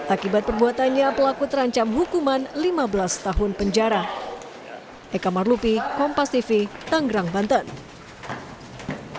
akibat perbuatannya pelaku terancam hukuman lima belas tahun penjara